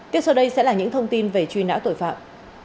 tiếp sau đây sẽ là những thông tin về truy nã tội phạm